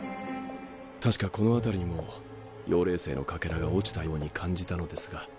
確かこの辺りにも妖霊星の欠片が落ちたように感じたのですが